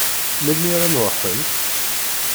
Melmi ara n-ruḥent?